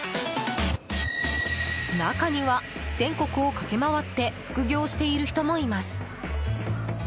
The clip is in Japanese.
中には、全国を駆け回って副業している人もいます。